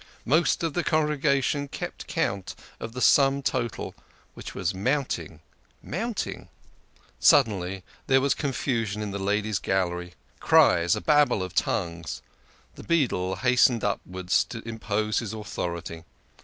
Most of the congregation kept count of the sum total, which was mounting, mounting Suddenly there was a confusion in the ladies' gallery, cries, a babble of tongues. The beadle hastened upstairs to im pose his authority.